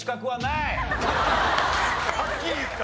はっきり言った。